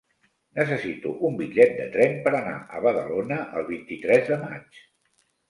Necessito un bitllet de tren per anar a Badalona el vint-i-tres de maig.